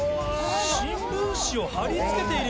新聞紙を張り付けている。